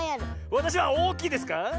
わたしはおおきいですか？